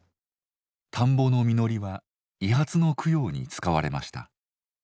田んぼの実りは遺髪の供養に使われました。